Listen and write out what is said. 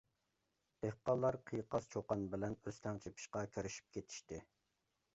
دېھقانلار قىيقاس چۇقان بىلەن ئۆستەڭ چېپىشقا كىرىشىپ كېتىشتى.